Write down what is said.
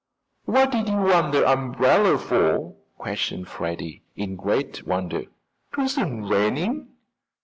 "What did you want the umbrella for?" questioned Freddie, in great wonder. "'Twasn't raining."